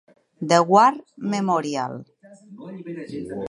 The War Memorial.